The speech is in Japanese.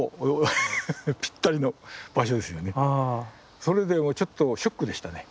それでもうちょっとショックでしたね。